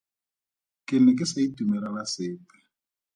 Ke ne ke sa itumelela sepe.